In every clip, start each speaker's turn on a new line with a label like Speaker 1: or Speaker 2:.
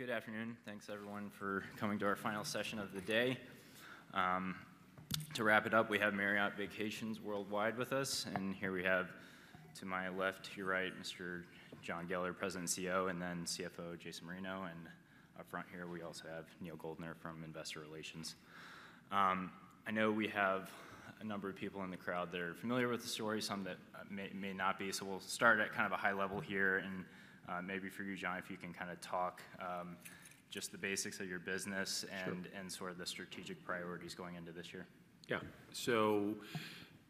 Speaker 1: Good afternoon. Thanks, everyone, for coming to our final session of the day. To wrap it up, we have Marriott Vacations Worldwide with us, and here we have to my left, to your right, Mr. John Geller, President and CEO, and then CFO Jason Marino. Up front here, we also have Neal Goldner from Investor Relations. I know we have a number of people in the crowd that are familiar with the story, some that may not be. So we'll start at kind of a high level here and, maybe for you, John, if you can kind of talk, just the basics of your business and sort of the strategic priorities going into this year.
Speaker 2: Yeah. So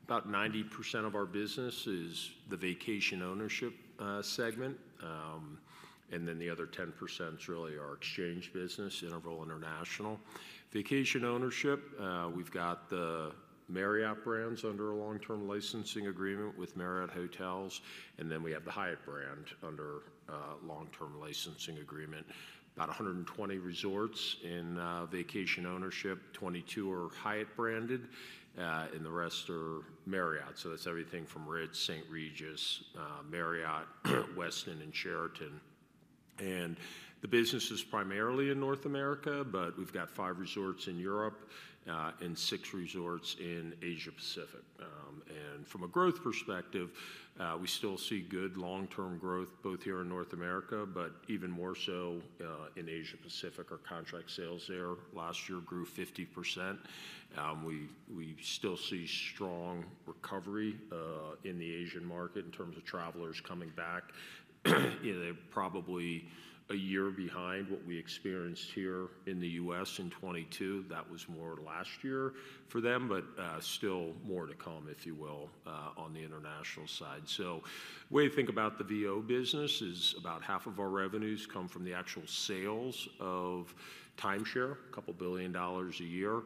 Speaker 2: about 90% of our business is the vacation ownership segment, and then the other 10% is really our exchange business, Interval International. Vacation ownership, we've got the Marriott brands under a long-term licensing agreement with Marriott Hotels, and then we have the Hyatt brand under a long-term licensing agreement. About 120 resorts in vacation ownership, 22 are Hyatt-branded, and the rest are Marriott. So that's everything from Ritz, St. Regis, Marriott, Westin, and Sheraton. And the business is primarily in North America, but we've got five resorts in Europe, and six resorts in Asia-Pacific. And from a growth perspective, we still see good long-term growth both here in North America but even more so in Asia-Pacific. Our contract sales there last year grew 50%. We, we still see strong recovery in the Asian market in terms of travelers coming back. You know, they're probably a year behind what we experienced here in the U.S. in 2022. That was more last year for them, but still more to come, if you will, on the international side. So the way you think about the VO business is about half of our revenues come from the actual sales of timeshare, $2 billion a year.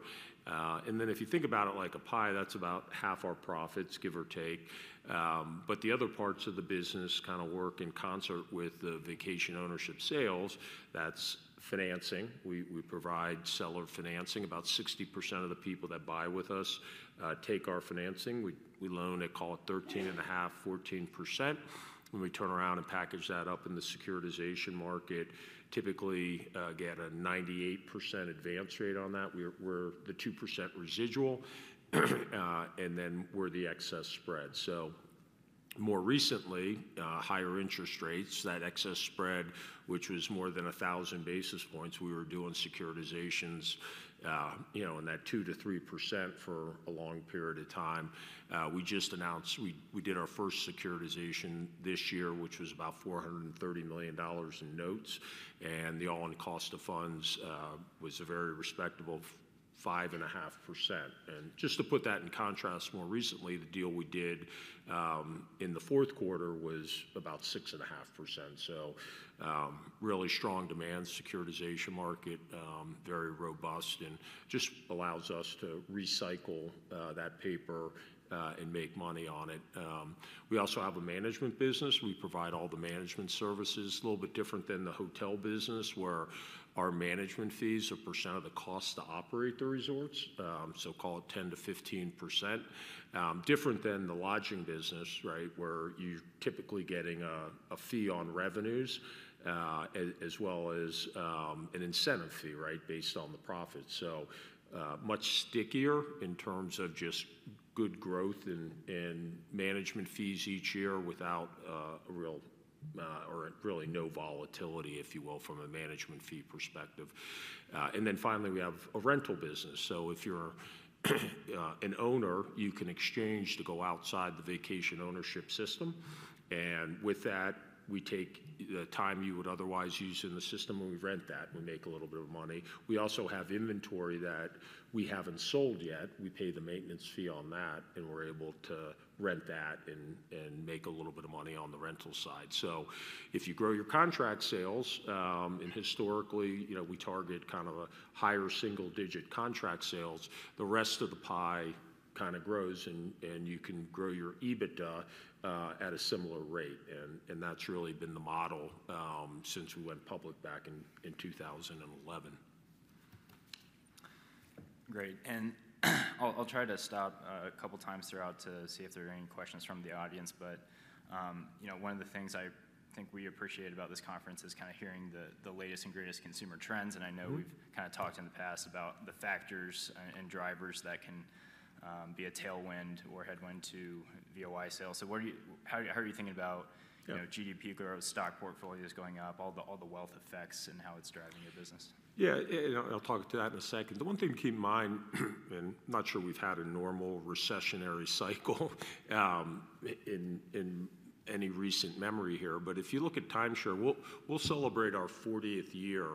Speaker 2: And then if you think about it like a pie, that's about half our profits, give or take. But the other parts of the business kind of work in concert with the vacation ownership sales. That's financing. We provide seller financing. About 60% of the people that buy with us take our financing. We loan at, call it, 13.5%-14%. When we turn around and package that up in the securitization market, typically get a 98% advance rate on that. We're the 2% residual, and then we're the excess spread. So, more recently, higher interest rates, that excess spread, which was more than 1,000 basis points. We were doing securitizations, you know, in that 2%-3% for a long period of time. We just announced we did our first securitization this year, which was about $430 million in notes, and the all-in cost of funds was a very respectable 5.5%. And just to put that in contrast, more recently, the deal we did in the fourth quarter was about 6.5%. So, really strong demand securitization market, very robust, and just allows us to recycle that paper and make money on it. We also have a management business. We provide all the management services. A little bit different than the hotel business where our management fees are percent of the cost to operate the resorts, so call it 10%-15%. Different than the lodging business, right, where you're typically getting a fee on revenues, as well as an incentive fee, right, based on the profit. So much stickier in terms of just good growth in management fees each year without a real or really no volatility, if you will, from a management fee perspective. And then finally, we have a rental business. So if you're an owner, you can exchange to go outside the vacation ownership system. And with that, we take the time you would otherwise use in the system when we rent that and we make a little bit of money. We also have inventory that we haven't sold yet. We pay the maintenance fee on that, and we're able to rent that and make a little bit of money on the rental side. So if you grow your contract sales, and historically, you know, we target kind of a higher single-digit contract sales, the rest of the pie kind of grows, and you can grow your EBITDA at a similar rate. And that's really been the model since we went public back in 2011.
Speaker 1: Great. I'll try to stop a couple times throughout to see if there are any questions from the audience. But you know, one of the things I think we appreciate about this conference is kind of hearing the latest and greatest consumer trends. And I know we've kind of talked in the past about the factors and drivers that can be a tailwind or headwind to VOI sales. So how are you thinking about, you know, GDP growth, stock portfolios going up, all the wealth effects and how it's driving your business?
Speaker 2: Yeah. And I'll, I'll talk to that in a second. The one thing to keep in mind, and I'm not sure we've had a normal recessionary cycle, in, in any recent memory here, but if you look at timeshare, we'll, we'll celebrate our 40th year,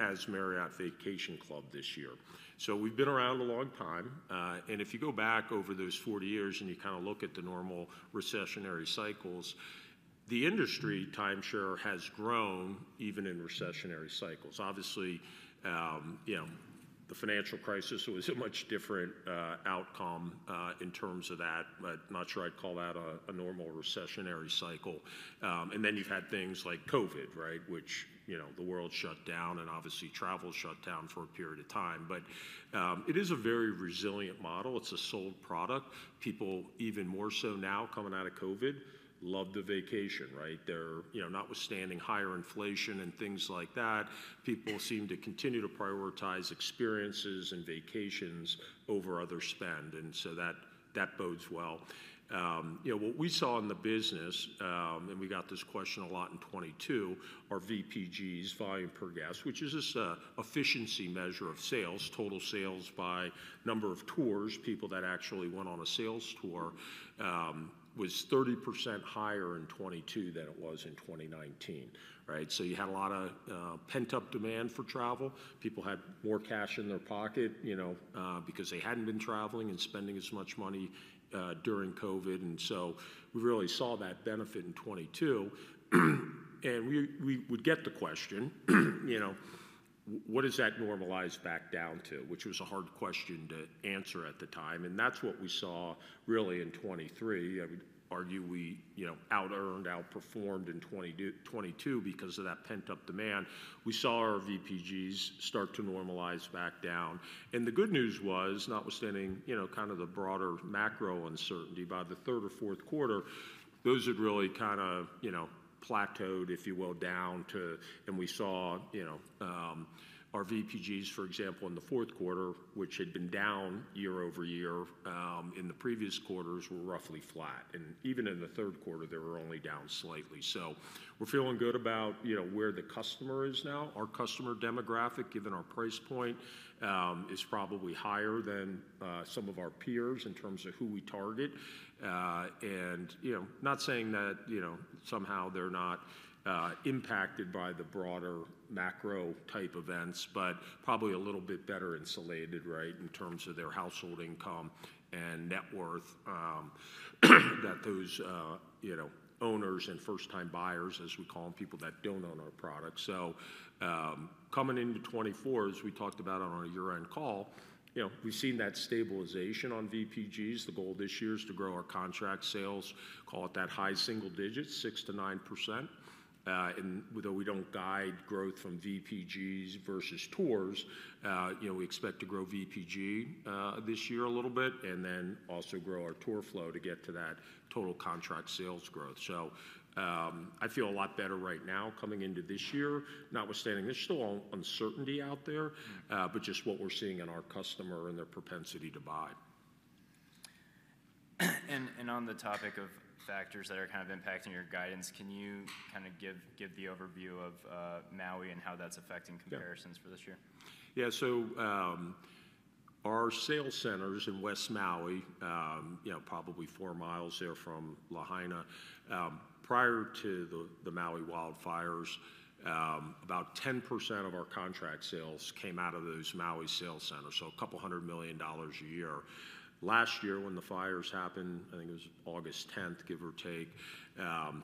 Speaker 2: as Marriott Vacation Club this year. So we've been around a long time. And if you go back over those 40 years and you kind of look at the normal recessionary cycles, the industry timeshare has grown even in recessionary cycles. Obviously, you know, the financial crisis was a much different outcome, in terms of that. But I'm not sure I'd call that a, a normal recessionary cycle. And then you've had things like COVID, right, which, you know, the world shut down, and obviously travel shut down for a period of time. But it is a very resilient model. It's a sold product. People, even more so now coming out of COVID, love the vacation, right? They're, you know, notwithstanding higher inflation and things like that, people seem to continue to prioritize experiences and vacations over other spend. And so that, that bodes well. You know, what we saw in the business, and we got this question a lot in 2022, our VPGs, volume per guest, which is just a efficiency measure of sales, total sales by number of tours, people that actually went on a sales tour, was 30% higher in 2022 than it was in 2019, right? So you had a lot of pent-up demand for travel. People had more cash in their pocket, you know, because they hadn't been traveling and spending as much money during COVID. And so we really saw that benefit in 2022. And we would get the question, you know, what does that normalize back down to, which was a hard question to answer at the time. And that's what we saw really in 2023. I would argue we, you know, out-earned, outperformed in 2022 because of that pent-up demand. We saw our VPGs start to normalize back down. And the good news was, notwithstanding, you know, kind of the broader macro uncertainty, by the third or fourth quarter, those had really kind of, you know, plateaued, if you will, down to and we saw, you know, our VPGs, for example, in the fourth quarter, which had been down year-over-year, in the previous quarters were roughly flat. And even in the third quarter, they were only down slightly. So we're feeling good about, you know, where the customer is now. Our customer demographic, given our price point, is probably higher than some of our peers in terms of who we target. You know, not saying that, you know, somehow they're not impacted by the broader macro type events, but probably a little bit better insulated, right, in terms of their household income and net worth, that those, you know, owners and first-time buyers, as we call them, people that don't own our products. So, coming into 2024, as we talked about on our year-end call, you know, we've seen that stabilization on VPGs. The goal this year is to grow our contract sales, call it that high single digit, 6%-9%. Though we don't guide growth from VPGs versus tours, you know, we expect to grow VPG this year a little bit and then also grow our tour flow to get to that total contract sales growth. So, I feel a lot better right now coming into this year, notwithstanding there's still uncertainty out there, but just what we're seeing in our customer and their propensity to buy.
Speaker 1: And on the topic of factors that are kind of impacting your guidance, can you kind of give the overview of Maui and how that's affecting comparisons for this year?
Speaker 2: Yeah. Yeah. So, our sales centers in West Maui, you know, probably 4 mi from Lahaina, prior to the Maui wildfires, about 10% of our contract sales came out of those Maui sales centers, so a couple hundred million dollars a year. Last year, when the fires happened, I think it was August 10th, give or take,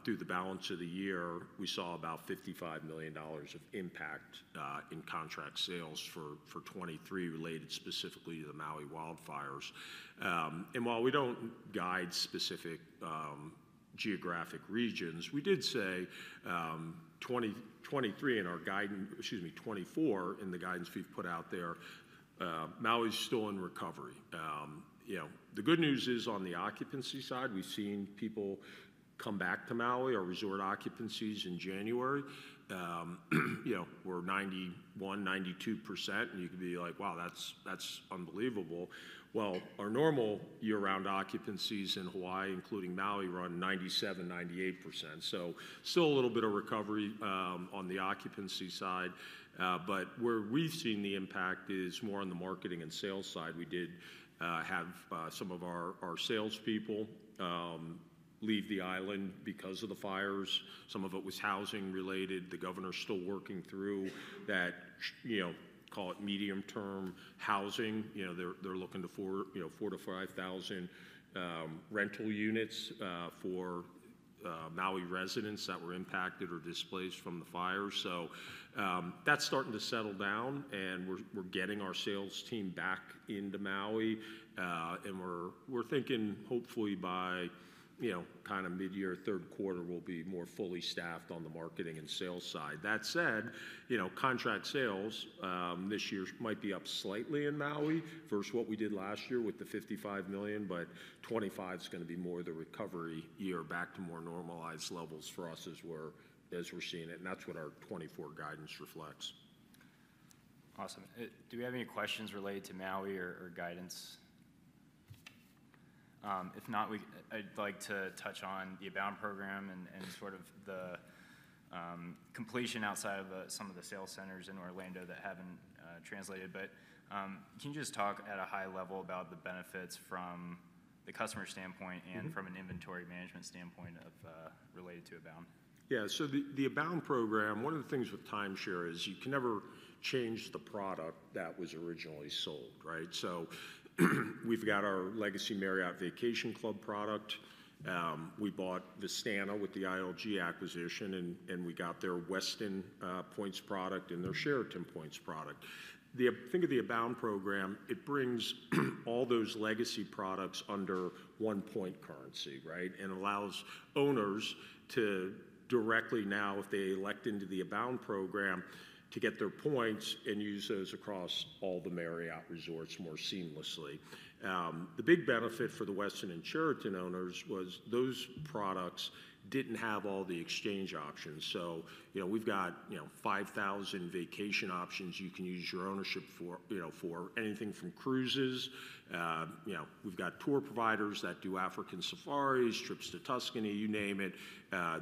Speaker 2: through the balance of the year, we saw about $55 million of impact in contract sales for 2023 related specifically to the Maui wildfires. And while we don't guide specific geographic regions, we did say, 2023 in our guidance, excuse me, 2024 in the guidance we've put out there, Maui's still in recovery. You know, the good news is on the occupancy side, we've seen people come back to Maui, our resort occupancies in January, you know, were 91%-92%. And you could be like, "Wow, that's, that's unbelievable." Well, our normal year-round occupancies in Hawaii, including Maui, run 97%-98%. So still a little bit of recovery, on the occupancy side. But where we've seen the impact is more on the marketing and sales side. We did have some of our salespeople leave the island because of the fires. Some of it was housing related. The governor's still working through that, you know, call it medium-term housing. You know, they're looking to 4,000-5,000 rental units for Maui residents that were impacted or displaced from the fires. So, that's starting to settle down, and we're getting our sales team back into Maui. And we're thinking hopefully by, you know, kind of mid-year, third quarter, we'll be more fully staffed on the marketing and sales side. That said, you know, contract sales this year might be up slightly in Maui versus what we did last year with the $55 million, but 2025's going to be more the recovery year back to more normalized levels for us as we're seeing it. And that's what our 2024 guidance reflects.
Speaker 1: Awesome. Do we have any questions related to Maui or, or guidance? If not, we I'd like to touch on the Abound program and, and sort of the, completion outside of the some of the sales centers in Orlando that haven't, translated. But, can you just talk at a high level about the benefits from the customer standpoint and from an inventory management standpoint of, related to Abound?
Speaker 2: Yeah. So the Abound program, one of the things with timeshare is you can never change the product that was originally sold, right? So we've got our legacy Marriott Vacation Club product. We bought Vistana with the ILG acquisition, and we got their Westin points product and their Sheraton points product. Think of the Abound program, it brings all those legacy products under one point currency, right, and allows owners to directly now, if they elect into the Abound program, to get their points and use those across all the Marriott resorts more seamlessly. The big benefit for the Westin and Sheraton owners was those products didn't have all the exchange options. So, you know, we've got, you know, 5,000 vacation options you can use your ownership for, you know, for anything from cruises. You know, we've got tour providers that do African safaris, trips to Tuscany, you name it.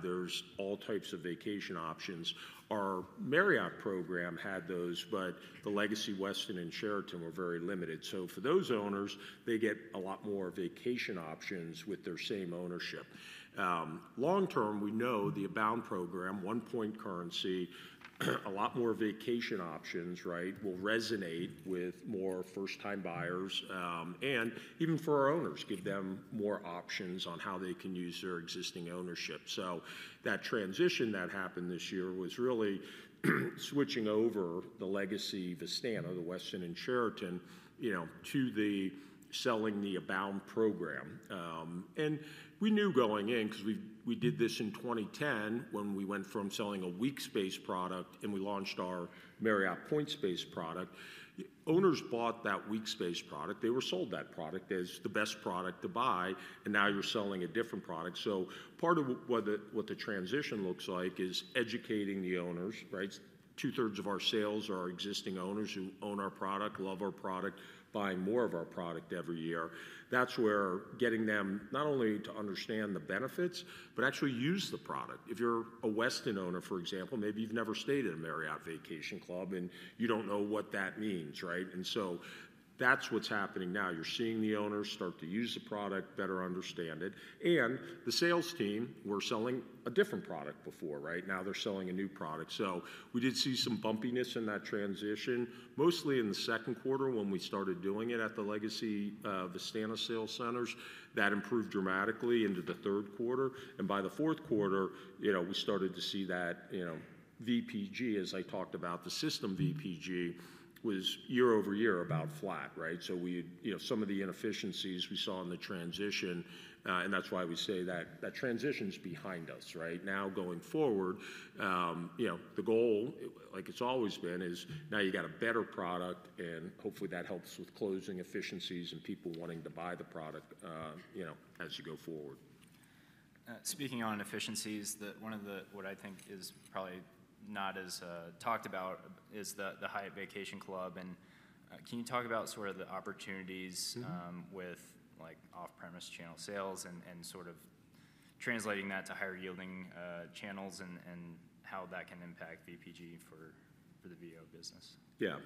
Speaker 2: There's all types of vacation options. Our Marriott program had those, but the legacy Westin and Sheraton were very limited. So for those owners, they get a lot more vacation options with their same ownership. Long term, we know the Abound program, one point currency, a lot more vacation options, right, will resonate with more first-time buyers, and even for our owners, give them more options on how they can use their existing ownership. So that transition that happened this year was really switching over the legacy Vistana, the Westin and Sheraton, you know, to selling the Abound program. We knew going in because we did this in 2010 when we went from selling a weeks-based product and we launched our Marriott points-based product. Owners bought that weeks-based product. They were sold that product as the best product to buy, and now you're selling a different product. So part of what the transition looks like is educating the owners, right? Two-thirds of our sales are existing owners who own our product, love our product, buy more of our product every year. That's where getting them not only to understand the benefits but actually use the product. If you're a Westin owner, for example, maybe you've never stayed at a Marriott Vacation Club, and you don't know what that means, right? And so that's what's happening now. You're seeing the owners start to use the product, better understand it. And the sales team, we're selling a different product before, right? Now they're selling a new product. So we did see some bumpiness in that transition, mostly in the second quarter when we started doing it at the legacy Vistana sales centers. That improved dramatically into the third quarter. And by the fourth quarter, you know, we started to see that, you know, VPG, as I talked about, the system VPG was year-over-year about flat, right? So we had, you know, some of the inefficiencies we saw in the transition, and that's why we say that that transition's behind us, right? Now going forward, you know, the goal, like it's always been, is now you got a better product, and hopefully that helps with closing efficiencies and people wanting to buy the product, you know, as you go forward.
Speaker 1: Speaking on efficiencies, the one of the what I think is probably not as talked about is the Hyatt Vacation Club. Can you talk about sort of the opportunities with, like, off-premise channel sales and sort of translating that to higher yielding channels and how that can impact VPG for the VO business?
Speaker 2: Yeah.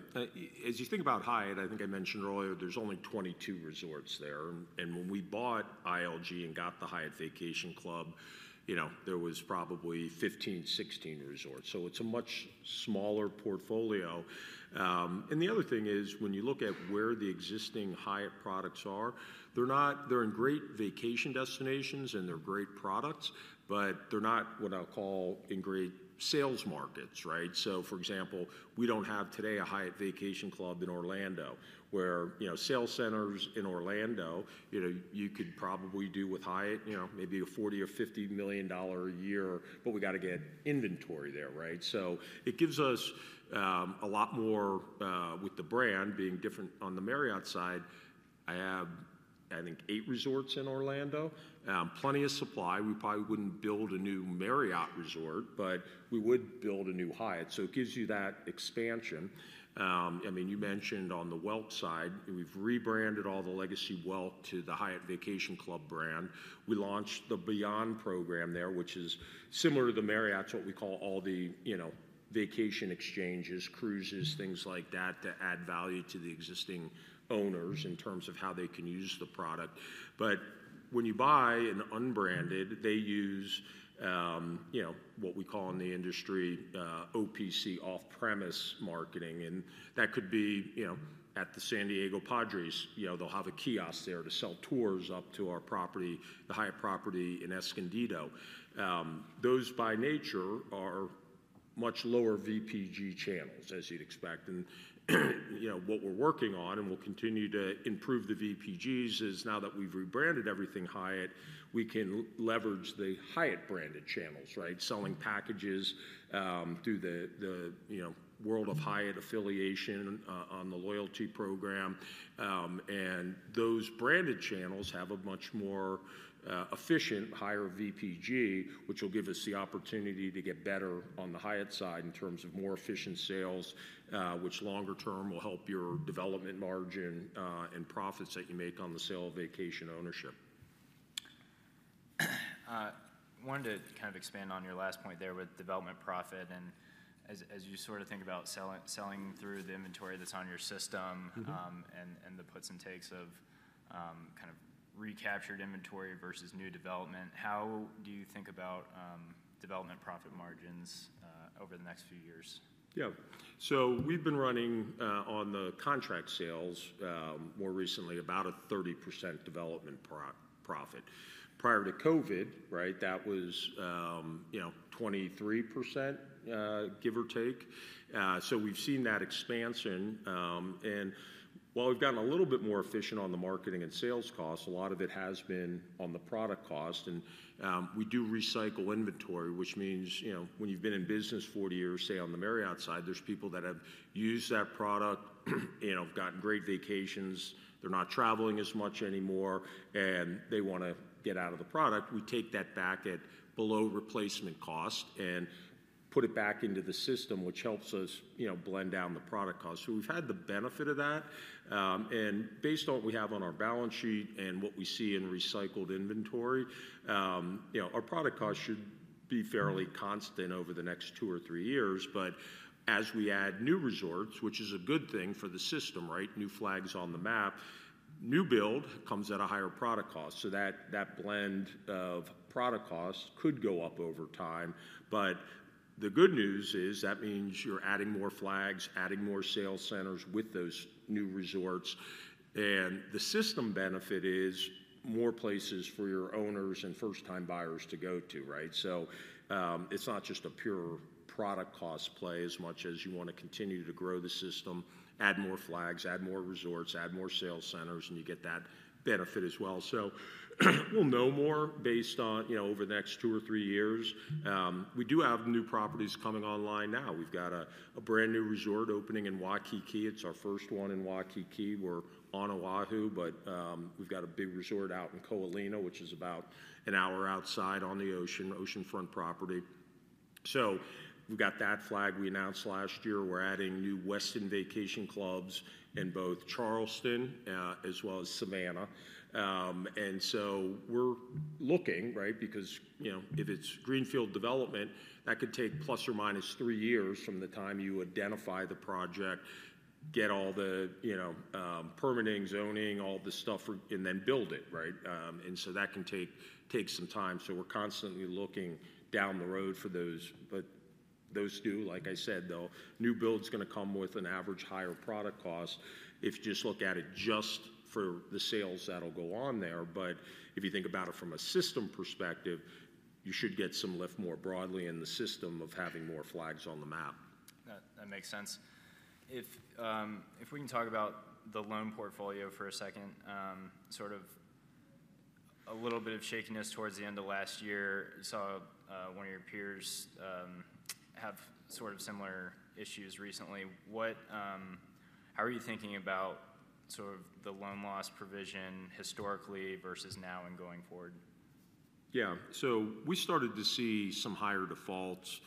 Speaker 2: As you think about Hyatt, I think I mentioned earlier, there's only 22 resorts there. And when we bought ILG and got the Hyatt Vacation Club, you know, there was probably 15, 16 resorts. So it's a much smaller portfolio. And the other thing is when you look at where the existing Hyatt products are, they're not. They're in great vacation destinations, and they're great products, but they're not what I'll call in great sales markets, right? So, for example, we don't have today a Hyatt Vacation Club in Orlando where, you know, sales centers in Orlando, you know, you could probably do with Hyatt, you know, maybe a $40 million-$50 million a year, but we got to get inventory there, right? So it gives us a lot more, with the brand being different on the Marriott side. I have, I think, eight resorts in Orlando, plenty of supply. We probably wouldn't build a new Marriott resort, but we would build a new Hyatt. So it gives you that expansion. I mean, you mentioned on the Welk side, we've rebranded all the legacy Welk to the Hyatt Vacation Club brand. We launched the BEYOND program there, which is similar to the Marriott, it's what we call all the, you know, vacation exchanges, cruises, things like that to add value to the existing owners in terms of how they can use the product. But when you buy an unbranded, they use, you know, what we call in the industry, OPC, off-premise marketing. And that could be, you know, at the San Diego Padres. You know, they'll have a kiosk there to sell tours up to our property, the Hyatt property in Escondido. Those by nature are much lower VPG channels, as you'd expect. And, you know, what we're working on and we'll continue to improve the VPGs is now that we've rebranded everything Hyatt, we can leverage the Hyatt-branded channels, right, selling packages, through the, you know, World of Hyatt affiliation, on the loyalty program. And those branded channels have a much more efficient, higher VPG, which will give us the opportunity to get better on the Hyatt side in terms of more efficient sales, which longer term will help your development margin, and profits that you make on the sale of vacation ownership.
Speaker 1: Wanted to kind of expand on your last point there with development profit. And as you sort of think about selling through the inventory that's on your system, and the puts and takes of kind of recaptured inventory versus new development, how do you think about development profit margins over the next few years?
Speaker 2: Yeah. So we've been running, on the contract sales, more recently about a 30% development profit. Prior to COVID, right, that was, you know, 23%, give or take. So we've seen that expansion. And while we've gotten a little bit more efficient on the marketing and sales costs, a lot of it has been on the product cost. And, we do recycle inventory, which means, you know, when you've been in business 40 years, say on the Marriott side, there's people that have used that product, you know, have gotten great vacations, they're not traveling as much anymore, and they want to get out of the product. We take that back at below replacement cost and put it back into the system, which helps us, you know, blend down the product cost. So we've had the benefit of that. Based on what we have on our balance sheet and what we see in recycled inventory, you know, our product cost should be fairly constant over the next two or three years. But as we add new resorts, which is a good thing for the system, right, new flags on the map, new build comes at a higher product cost. So that, that blend of product costs could go up over time. But the good news is that means you're adding more flags, adding more sales centers with those new resorts. And the system benefit is more places for your owners and first-time buyers to go to, right? So, it's not just a pure product cost play as much as you want to continue to grow the system, add more flags, add more resorts, add more sales centers, and you get that benefit as well. So we'll know more based on, you know, over the next two or three years. We do have new properties coming online now. We've got a, a brand new resort opening in Waikiki. It's our first one in Waikiki. We're on Oahu, but, we've got a big resort out in Ko Olina, which is about an hour outside on the ocean, oceanfront property. So we've got that flag we announced last year. We're adding new Westin Vacation Clubs in both Charleston, as well as Savannah. And so we're looking, right, because, you know, if it's greenfield development, that could take plus or minus three years from the time you identify the project, get all the, you know, permitting, zoning, all the stuff for and then build it, right? And so that can take, take some time. So we're constantly looking down the road for those. But those do, like I said, though, new build's going to come with an average higher product cost if you just look at it just for the sales that'll go on there. But if you think about it from a system perspective, you should get some lift more broadly in the system of having more flags on the map.
Speaker 1: That makes sense. If we can talk about the loan portfolio for a second, sort of a little bit of shakiness towards the end of last year. You saw one of your peers have sort of similar issues recently. How are you thinking about sort of the loan loss provision historically versus now and going forward?
Speaker 2: Yeah. So we started to see some higher defaults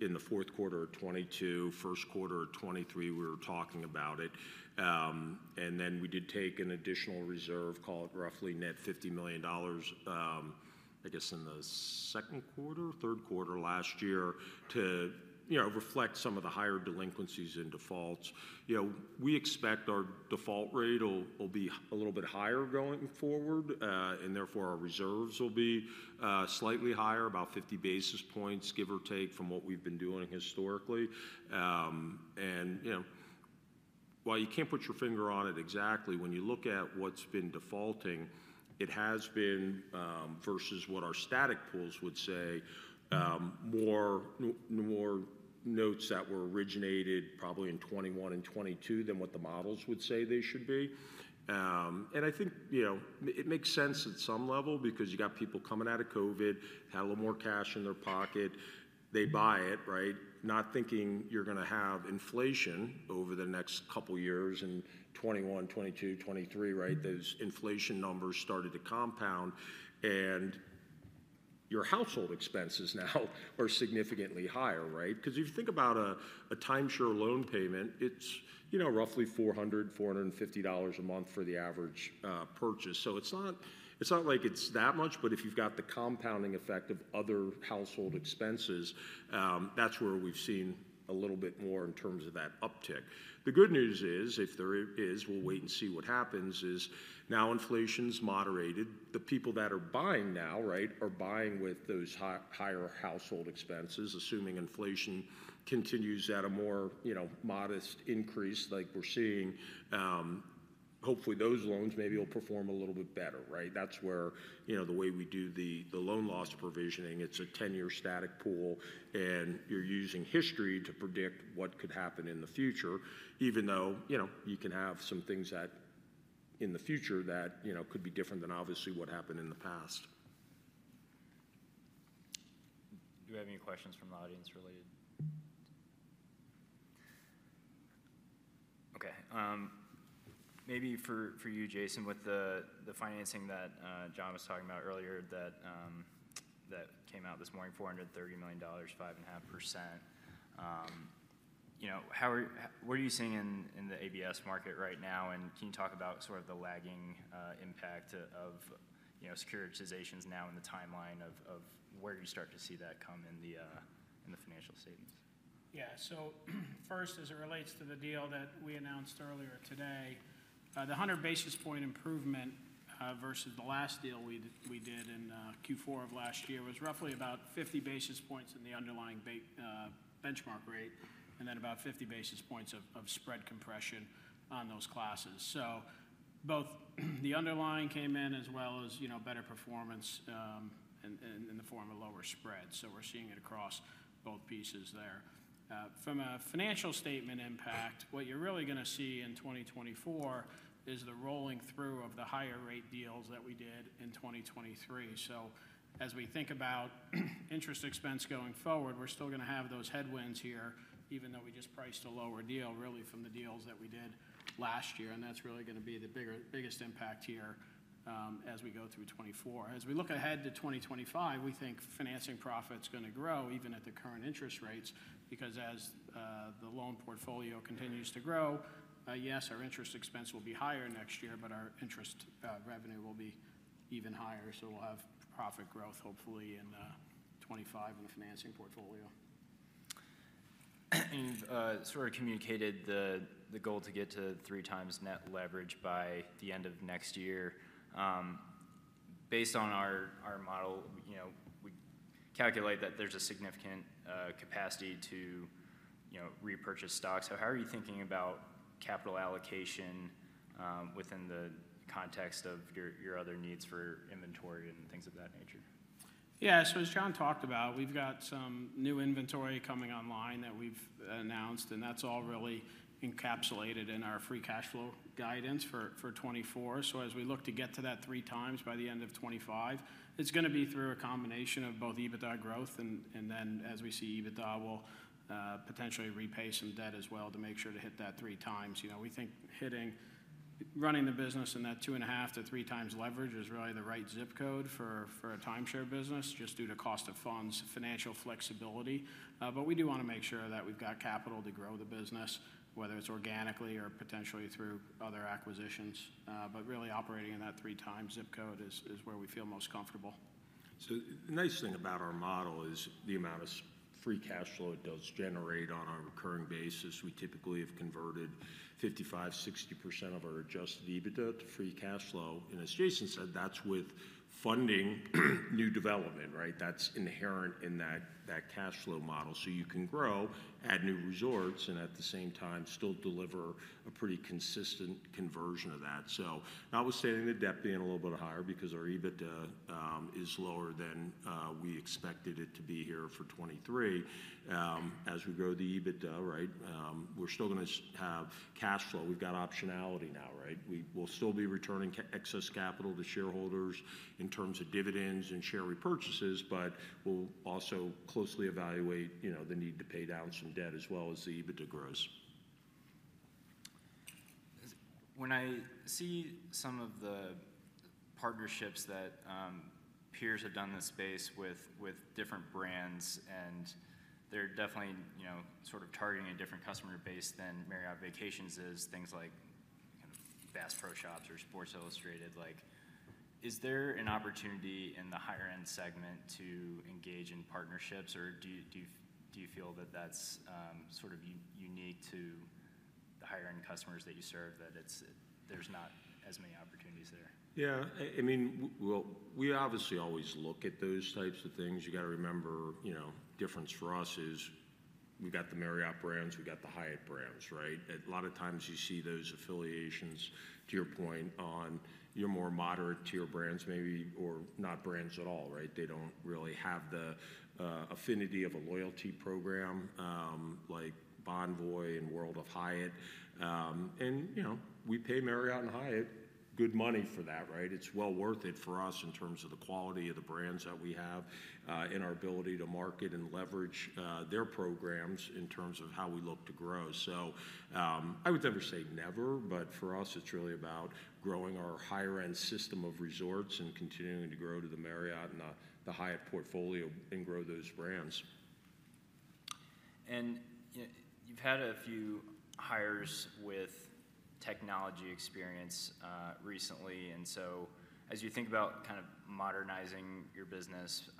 Speaker 2: in the fourth quarter of 2022, first quarter of 2023 we were talking about it. And then we did take an additional reserve, call it roughly net $50 million, I guess in the second quarter, third quarter last year, to, you know, reflect some of the higher delinquencies and defaults. You know, we expect our default rate will be a little bit higher going forward, and therefore our reserves will be slightly higher, about 50 basis points, give or take, from what we've been doing historically. And, you know, while you can't put your finger on it exactly, when you look at what's been defaulting, it has been versus what our static pools would say, more notes that were originated probably in 2021 and 2022 than what the models would say they should be. I think, you know, it makes sense at some level because you got people coming out of COVID, had a little more cash in their pocket. They buy it, right, not thinking you're going to have inflation over the next couple of years in 2021, 2022, 2023, right? Those inflation numbers started to compound, and your household expenses now are significantly higher, right? Because if you think about a timeshare loan payment, it's, you know, roughly $400-$450 a month for the average purchase. So it's not like it's that much, but if you've got the compounding effect of other household expenses, that's where we've seen a little bit more in terms of that uptick. The good news is, if there is, we'll wait and see what happens, is now inflation's moderated. The people that are buying now, right, are buying with those high, higher household expenses, assuming inflation continues at a more, you know, modest increase like we're seeing. Hopefully those loans maybe will perform a little bit better, right? That's where, you know, the way we do the loan loss provisioning, it's a 10-year static pool, and you're using history to predict what could happen in the future, even though, you know, you can have some things that in the future that, you know, could be different than obviously what happened in the past.
Speaker 1: Do we have any questions from the audience related? Okay. Maybe for, for you, Jason, with the, the financing that, John was talking about earlier that, that came out this morning, $430 million, 5.5%, you know, how are what are you seeing in, in the ABS market right now? And can you talk about sort of the lagging, impact of, you know, securitizations now in the timeline of, of where do you start to see that come in the, in the financial statements?
Speaker 3: Yeah. So first, as it relates to the deal that we announced earlier today, the 100 basis point improvement, versus the last deal we did, we did in Q4 of last year was roughly about 50 basis points in the underlying benchmark rate and then about 50 basis points of spread compression on those classes. So both the underlying came in as well as, you know, better performance in the form of lower spread. So we're seeing it across both pieces there. From a financial statement impact, what you're really going to see in 2024 is the rolling through of the higher rate deals that we did in 2023. So as we think about interest expense going forward, we're still going to have those headwinds here, even though we just priced a lower deal, really, from the deals that we did last year. That's really going to be the bigger, biggest impact here, as we go through 2024. As we look ahead to 2025, we think financing profit's going to grow even at the current interest rates because as the loan portfolio continues to grow, yes, our interest expense will be higher next year, but our interest revenue will be even higher. We'll have profit growth, hopefully, in 2025 in the financing portfolio.
Speaker 1: You've sort of communicated the goal to get to 3x net leverage by the end of next year. Based on our model, you know, we calculate that there's a significant capacity to, you know, repurchase stocks. So how are you thinking about capital allocation within the context of your other needs for inventory and things of that nature?
Speaker 3: Yeah. So as John talked about, we've got some new inventory coming online that we've announced, and that's all really encapsulated in our free cash flow guidance for 2024. So as we look to get to that 3x by the end of 2025, it's going to be through a combination of both EBITDA growth and, and then as we see EBITDA, we'll potentially repay some debt as well to make sure to hit that 3x. You know, we think hitting running the business in that 2.5x-3x leverage is really the right zip code for a timeshare business just due to cost of funds, financial flexibility. But we do want to make sure that we've got capital to grow the business, whether it's organically or potentially through other acquisitions. But really operating in that 3x zip code is where we feel most comfortable.
Speaker 2: So the nice thing about our model is the amount of free cash flow it does generate on a recurring basis. We typically have converted 55%-60% of our adjusted EBITDA to free cash flow. And as Jason said, that's with funding new development, right? That's inherent in that, that cash flow model. So you can grow, add new resorts, and at the same time still deliver a pretty consistent conversion of that. So notwithstanding the debt being a little bit higher because our EBITDA is lower than we expected it to be here for 2023, as we grow the EBITDA, right, we're still going to have cash flow. We've got optionality now, right? We will still be returning excess capital to shareholders in terms of dividends and share repurchases, but we'll also closely evaluate, you know, the need to pay down some debt as well as the EBITDA grows.
Speaker 1: When I see some of the partnerships that peers have done in this space with different brands, and they're definitely, you know, sort of targeting a different customer base than Marriott Vacations is, things like kind of Bass Pro Shops or Sports Illustrated, like, is there an opportunity in the higher-end segment to engage in partnerships? Or do you feel that that's sort of unique to the higher-end customers that you serve, that it's there's not as many opportunities there?
Speaker 2: Yeah. I mean, well, we obviously always look at those types of things. You got to remember, you know, difference for us is we've got the Marriott brands, we've got the Hyatt brands, right? A lot of times you see those affiliations, to your point, on your more moderate-tier brands maybe or not brands at all, right? They don't really have the affinity of a loyalty program, like Bonvoy and World of Hyatt. And, you know, we pay Marriott and Hyatt good money for that, right? It's well worth it for us in terms of the quality of the brands that we have, and our ability to market and leverage their programs in terms of how we look to grow. So, I would never say never, but for us, it's really about growing our higher-end system of resorts and continuing to grow to the Marriott and the, the Hyatt portfolio and grow those brands.
Speaker 1: You know, you've had a few hires with technology experience, recently. So as you think about kind of modernizing your business,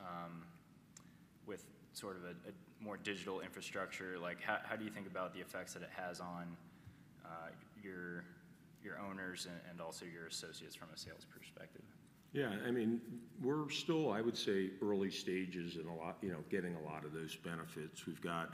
Speaker 1: with sort of a more digital infrastructure, like, how do you think about the effects that it has on your owners and also your associates from a sales perspective?
Speaker 2: Yeah. I mean, we're still, I would say, early stages in a lot, you know, getting a lot of those benefits. We've got,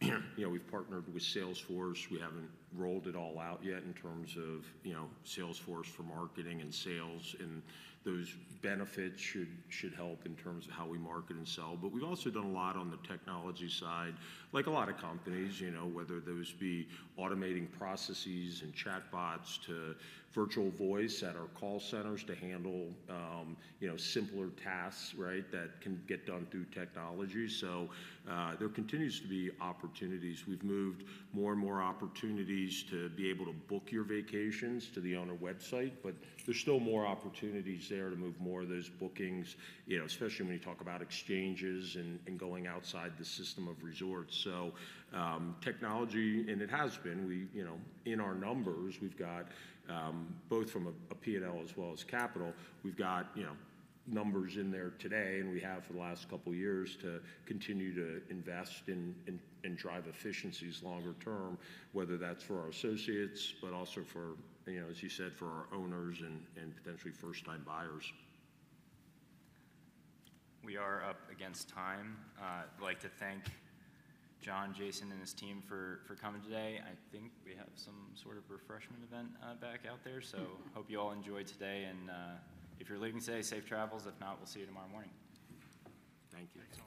Speaker 2: you know, we've partnered with Salesforce. We haven't rolled it all out yet in terms of, you know, Salesforce for marketing and sales. And those benefits should, should help in terms of how we market and sell. But we've also done a lot on the technology side, like a lot of companies, you know, whether those be automating processes and chatbots to virtual voice at our call centers to handle, you know, simpler tasks, right, that can get done through technology. So, there continues to be opportunities. We've moved more and more opportunities to be able to book your vacations to the owner website, but there's still more opportunities there to move more of those bookings, you know, especially when you talk about exchanges and, and going outside the system of resorts. So, technology and it has been. We, you know, in our numbers, we've got, both from a, a P&L as well as capital, we've got, you know, numbers in there today, and we have for the last couple of years to continue to invest in drive efficiencies longer term, whether that's for our associates, but also for, you know, as you said, for our owners and, and potentially first-time buyers.
Speaker 1: We are up against time. I'd like to thank John, Jason, and his team for coming today. I think we have some sort of refreshment event back out there. So hope you all enjoyed today. And, if you're leaving today, safe travels. If not, we'll see you tomorrow morning.
Speaker 2: Thank you.
Speaker 3: Thanks.